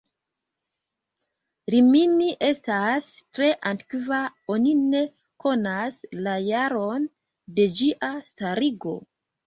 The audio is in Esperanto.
Rimini estas tre antikva, oni ne konas la jaron de ĝia starigo.